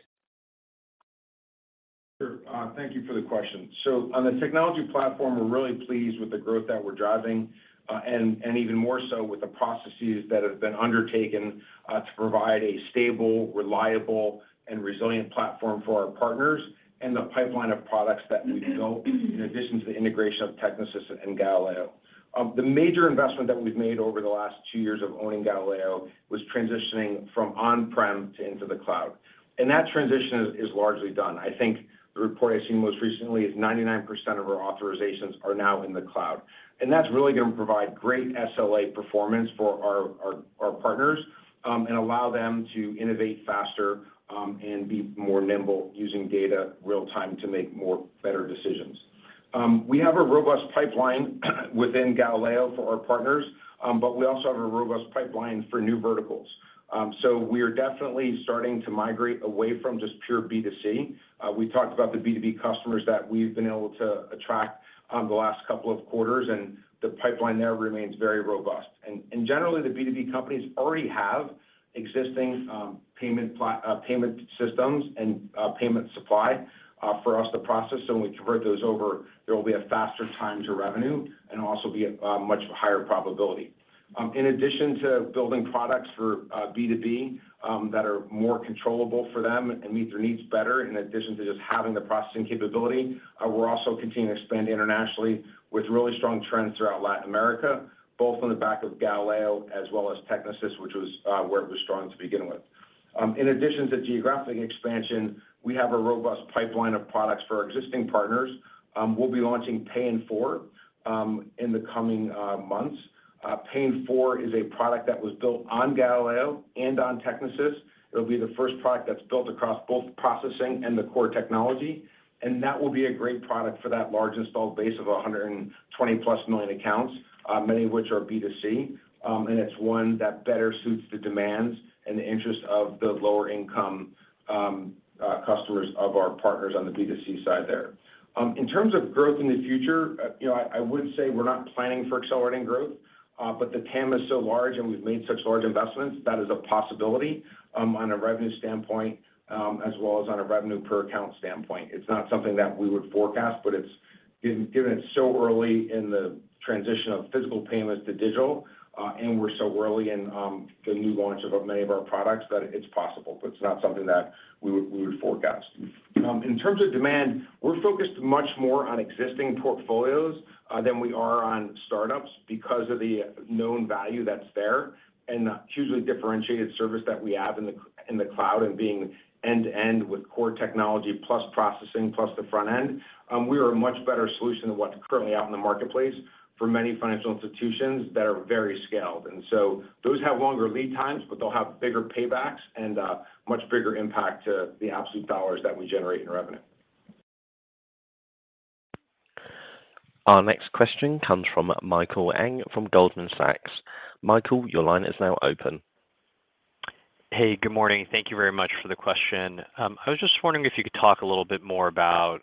Sure. Thank you for the question. On the technology platform, we're really pleased with the growth that we're driving, and even more so with the processes that have been undertaken to provide a stable, reliable, and resilient platform for our partners and the pipeline of products that we built in addition to the integration of Technisys and Galileo. The major investment that we've made over the last two years of owning Galileo was transitioning from on-prem to into the cloud. That transition is largely done. I think the report I've seen most recently is 99% of our authorizations are now in the cloud. That's really going to provide great SLA performance for our partners, and allow them to innovate faster, and be more nimble using data real-time to make more better decisions. We have a robust pipeline within Galileo for our partners, but we also have a robust pipeline for new verticals. We are definitely starting to migrate away from just pure B2C. We talked about the B2B customers that we've been able to attract on the last couple of quarters, and the pipeline there remains very robust. And generally, the B2B companies already have existing payment systems and payment suppliers for us to process. When we convert those over, there will be a faster time to revenue and also be a much higher probability. In addition to building products for B2B that are more controllable for them and meet their needs better, in addition to just having the processing capability, we're also continuing to expand internationally with really strong trends throughout Latin America, both on the back of Galileo as well as Technisys, which was where it was strong to begin with. In addition to geographic expansion, we have a robust pipeline of products for our existing partners. We'll be launching Pay in 4 in the coming months. Pay in 4 is a product that was built on Galileo and on Technisys. It'll be the first product that's built across both processing and the core technology. That will be a great product for that large installed base of 120+ million accounts, many of which are B2C. It's one that better suits the demands and the interest of the lower-income customers of our partners on the B2C side there. In terms of growth in the future, you know, I wouldn't say we're not planning for accelerating growth, but the TAM is so large and we've made such large investments, that is a possibility, on a revenue standpoint, as well as on a revenue per account standpoint. It's not something that we would forecast, but it's given it's so early in the transition of physical payments to digital, and we're so early in the new launch of many of our products that it's possible, but it's not something that we would forecast. In terms of demand, we're focused much more on existing portfolios than we are on startups because of the known value that's there and the hugely differentiated service that we have in the cloud and being end-to-end with core technology plus processing plus the front end. We are a much better solution than what's currently out in the marketplace for many financial institutions that are very scaled. Those have longer lead times, but they'll have bigger paybacks and much bigger impact to the absolute dollars that we generate in revenue. Our next question comes from Michael Ng from Goldman Sachs. Michael, your line is now open. Hey, good morning. Thank you very much for the question. I was just wondering if you could talk a little bit more about,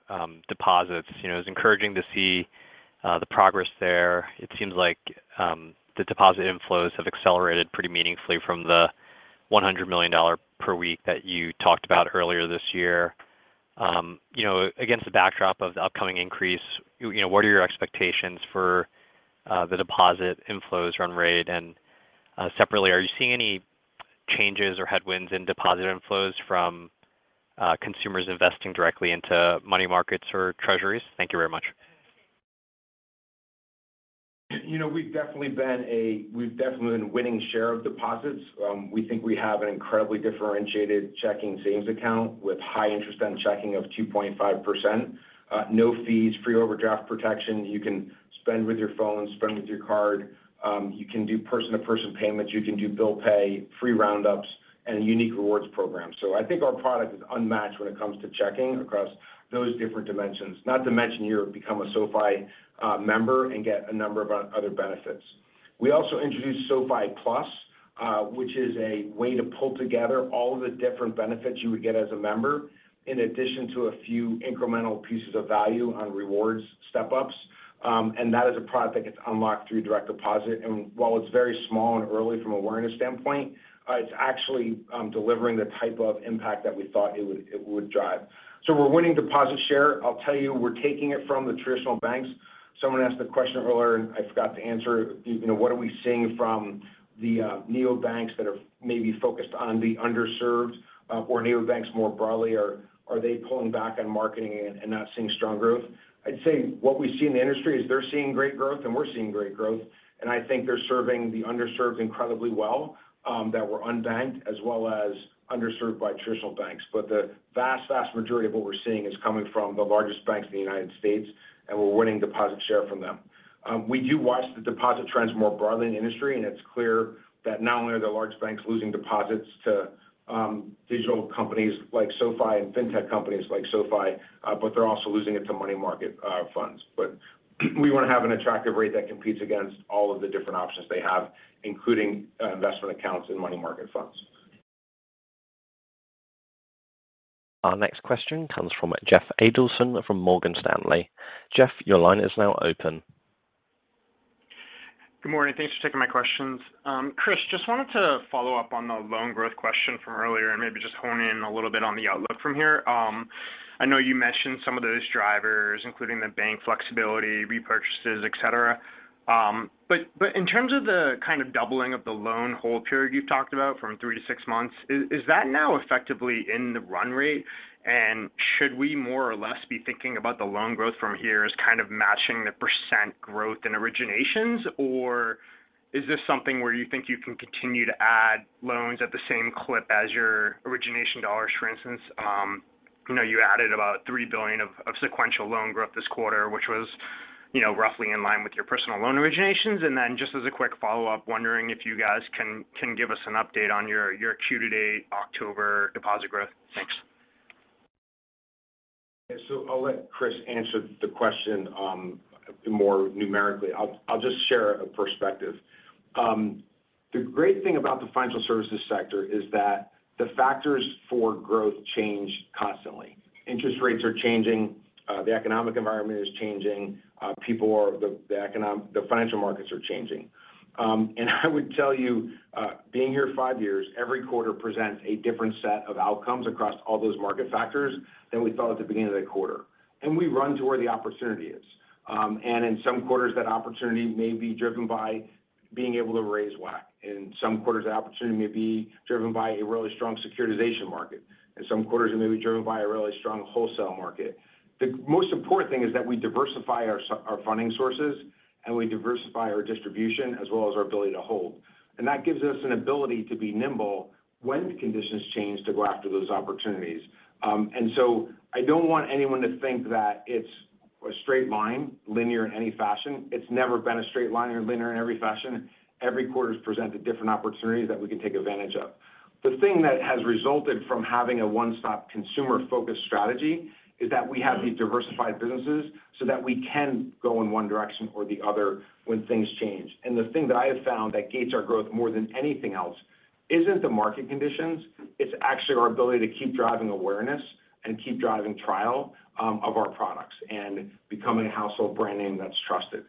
deposits. You know, it's encouraging to see, the progress there. It seems like, the deposit inflows have accelerated pretty meaningfully from the$100 million per week that you talked about earlier this year. You know, against the backdrop of the upcoming increase, you know, what are your expectations for the deposit inflows run rate? Separately, are you seeing any changes or headwinds in deposit inflows from consumers investing directly into money markets or treasuries? Thank you very much. You know, we've definitely been winning share of deposits. We think we have an incredibly differentiated SoFi Checking and Savings account with high interest on checking of 2.5%. No fees, free overdraft protection. You can spend with your phone, spend with your card. You can do person-to-person payments. You can do bill pay, free roundups, and a unique rewards program. I think our product is unmatched when it comes to checking across those different dimensions. Not to mention, you become a SoFi member and get a number of other benefits. We also introduced SoFi Plus, which is a way to pull together all of the different benefits you would get as a member, in addition to a few incremental pieces of value on rewards step-ups. That is a product that gets unlocked through direct deposit. While it's very small and early from awareness standpoint, it's actually delivering the type of impact that we thought it would drive. We're winning deposit share. I'll tell you, we're taking it from the traditional banks. Someone asked the question earlier, and I forgot to answer. You know, what are we seeing from the neobanks that are maybe focused on the underserved, or neobanks more broadly. Are they pulling back on marketing and not seeing strong growth? I'd say what we see in the industry is they're seeing great growth and we're seeing great growth. I think they're serving the underserved incredibly well, that were unbanked as well as underserved by traditional banks. The vast majority of what we're seeing is coming from the largest banks in the United States, and we're winning deposit share from them. We do watch the deposit trends more broadly in the industry, and it's clear that not only are the large banks losing deposits to digital companies like SoFi and fintech companies like SoFi, but they're also losing it to money market funds. We want to have an attractive rate that competes against all of the different options they have, including investment accounts and money market funds. Our next question comes from Jeffrey Adelson from Morgan Stanley. Jeff, your line is now open. Good morning. Thanks for taking my questions. Chris, just wanted to follow up on the loan growth question from earlier and maybe just hone in a little bit on the outlook from here. I know you mentioned some of those drivers, including the bank flexibility, repurchases, et cetera. But in terms of the kind of doubling of the loan hold period you've talked about from 3 to 6 months, is that now effectively in the run rate? And should we more or less be thinking about the loan growth from here as kind of matching the % growth in originations? Or is this something where you think you can continue to add loans at the same clip as your origination dollars, for instance? You know, you added about $3 billion of sequential loan growth this quarter, which was, you know, roughly in line with your personal loan originations. Just as a quick follow-up, wondering if you guys can give us an update on your Q-to-date October deposit growth. Thanks. I'll let Chris answer the question more numerically. I'll just share a perspective. The great thing about the financial services sector is that the factors for growth change constantly. Interest rates are changing. The economic environment is changing. The financial markets are changing. I would tell you, being here five years, every quarter presents a different set of outcomes across all those market factors than we thought at the beginning of the quarter. We run to where the opportunity is. In some quarters, that opportunity may be driven by being able to raise WAC. In some quarters, the opportunity may be driven by a really strong securitization market. In some quarters, it may be driven by a really strong wholesale market. The most important thing is that we diversify our funding sources, and we diversify our distribution as well as our ability to hold. That gives us an ability to be nimble when conditions change to go after those opportunities. I don't want anyone to think that it's a straight line, linear in any fashion. It's never been a straight line or linear in every fashion. Every quarter is presented different opportunities that we can take advantage of. The thing that has resulted from having a one-stop consumer-focused strategy is that we have these diversified businesses so that we can go in one direction or the other when things change. The thing that I have found that gates our growth more than anything else isn't the market conditions, it's actually our ability to keep driving awareness and keep driving trial of our products and becoming a household brand name that's trusted.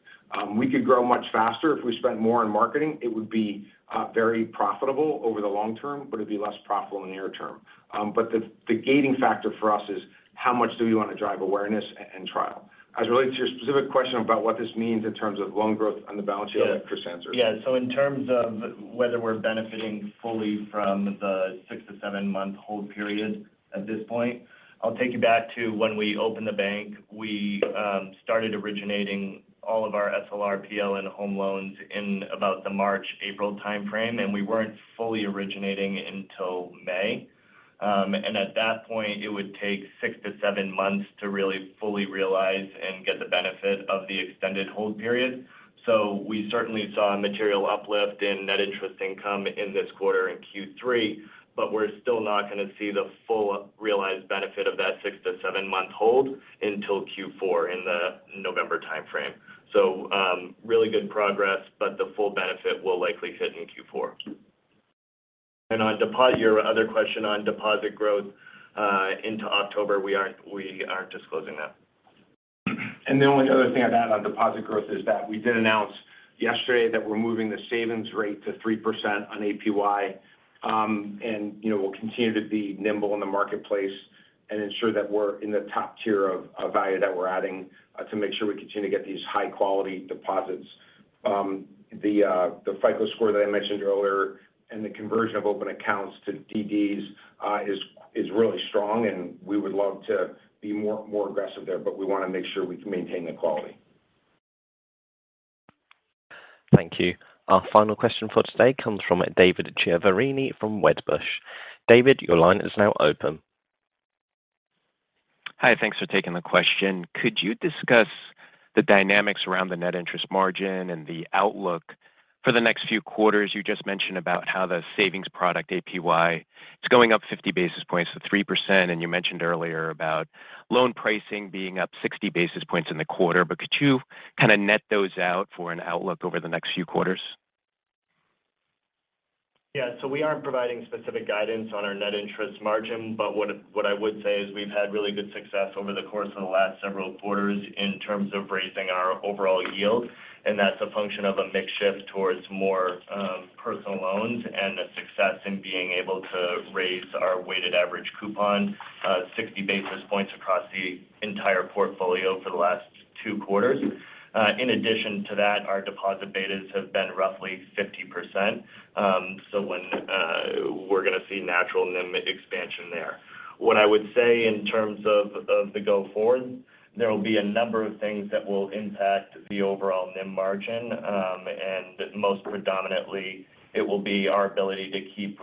We could grow much faster if we spent more on marketing. It would be very profitable over the long term, but it'd be less profitable in the near term. The gating factor for us is how much do we want to drive awareness and trial. As related to your specific question about what this means in terms of loan growth on the balance sheet. Yeah. Let Chris answer. Yeah. In terms of whether we're benefiting fully from the 6-7 month hold period at this point, I'll take you back to when we opened the bank. We started originating all of our SLRPL and home loans in about the March, April timeframe, and we weren't fully originating until May. At that point, it would take 6-7 months to really fully realize and get the benefit of the extended hold period. We certainly saw a material uplift in net interest income in this quarter in Q3, but we're still not going to see the full realized benefit of that 6-7 month hold until Q4 in the November timeframe. Really good progress, but the full benefit will likely hit in Q4. On your other question on deposit growth, into October, we aren't disclosing that. The only other thing I'd add on deposit growth is that we did announce yesterday that we're moving the savings rate to 3% on APY. You know, we'll continue to be nimble in the marketplace and ensure that we're in the top tier of value that we're adding to make sure we continue to get these high-quality deposits. The FICO score that I mentioned earlier and the conversion of open accounts to DDs is really strong, and we would love to be more aggressive there, but we wanna make sure we can maintain the quality. Thank you. Our final question for today comes from David Chiaverini from Wedbush. David, your line is now open. Hi. Thanks for taking the question. Could you discuss the dynamics around the net interest margin and the outlook for the next few quarters? You just mentioned about how the savings product APY, it's going up 50 basis points to 3%, and you mentioned earlier about loan pricing being up 60 basis points in the quarter. Could you kinda net those out for an outlook over the next few quarters? Yeah. We aren't providing specific guidance on our net interest margin, but what I would say is we've had really good success over the course of the last several quarters in terms of raising our overall yield, and that's a function of a mix shift towards more personal loans and a success in being able to raise our weighted average coupon 60 basis points across the entire portfolio for the last 2 quarters. In addition to that, our deposit betas have been roughly 50%, so we're gonna see natural NIM expansion there. What I would say in terms of the go-forward, there will be a number of things that will impact the overall NIM margin. Most predominantly it will be our ability to keep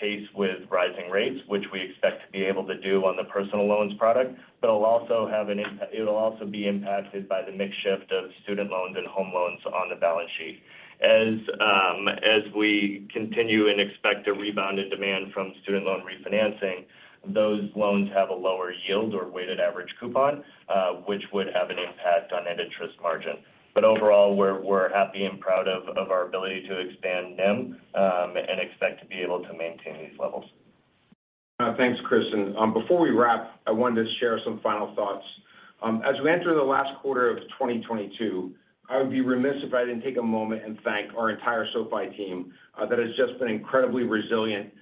pace with rising rates which we expect to be able to do on the personal loans product. It'll also be impacted by the mix shift of student loans and home loans on the balance sheet. As we continue and expect a rebound in demand from student loan refinancing, those loans have a lower yield or weighted average coupon, which would have an impact on net interest margin. Overall, we're happy and proud of our ability to expand NIM and expect to be able to maintain these levels. Thanks, Chris. Before we wrap, I wanted to share some final thoughts. As we enter the last quarter of 2022, I would be remiss if I didn't take a moment and thank our entire SoFi team that has just been incredibly resilient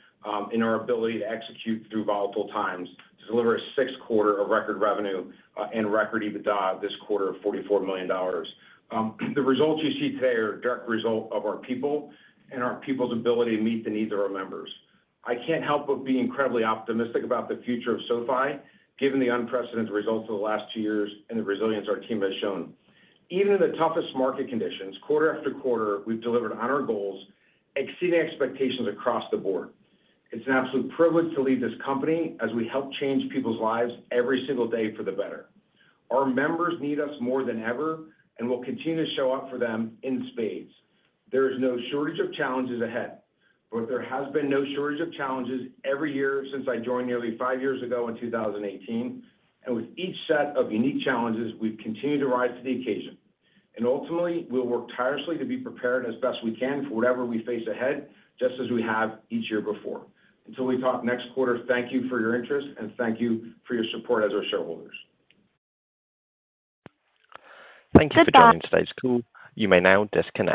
in our ability to execute through volatile times to deliver a sixth quarter of record revenue and record EBITDA this quarter of $44 million. The results you see today are a direct result of our people and our people's ability to meet the needs of our members. I can't help but be incredibly optimistic about the future of SoFi given the unprecedented results of the last two years and the resilience our team has shown. Even in the toughest market conditions, quarter after quarter, we've delivered on our goals, exceeding expectations across the board. It's an absolute privilege to lead this company as we help change people's lives every single day for the better. Our members need us more than ever, and we'll continue to show up for them in spades. There is no shortage of challenges ahead, but there has been no shortage of challenges every year since I joined nearly 5 years ago in 2018. With each set of unique challenges, we've continued to rise to the occasion. Ultimately, we'll work tirelessly to be prepared as best we can for whatever we face ahead, just as we have each year before. Until we talk next quarter, thank you for your interest, and thank you for your support as our shareholders. Thank you for joining today's call. You may now disconnect.